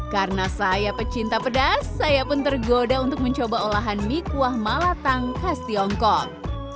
karena saya pecinta pedas saya pun tergoda untuk mencoba olahan mie kuah malatang khas tiongkok